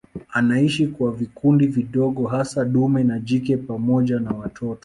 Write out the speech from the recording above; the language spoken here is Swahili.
Anaishi kwa vikundi vidogo hasa dume na jike pamoja na watoto.